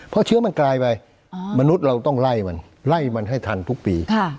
เพราะเชื้อมันกลายไปมนุษย์เราต้องไล่มันไล่มันให้ทันทุกปี